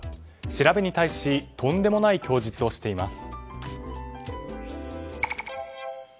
調べに対しとんでもない供述をしています。